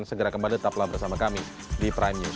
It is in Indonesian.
segera kembali tetaplah bersama kami di prime news